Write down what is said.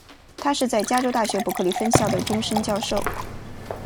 他是在加州大学伯克利分校的终身教授。